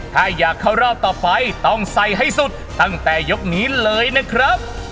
ถ้าอยากเข้ารอบต่อไปต้องใส่ให้สุดตั้งแต่ยกนี้เลยนะครับ